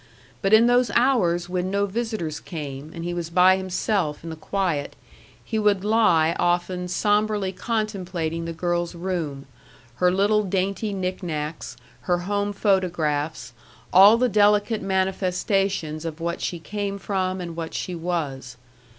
But in those hours when no visitors came, and he was by himself in the quiet, he would lie often sombrely contemplating the girl's room, her little dainty knickknacks, her home photographs, all the delicate manifestations of what she came from and what she was.